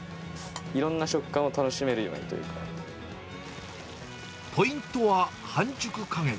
いろんな食感を楽しめるようにとポイントは半熟加減。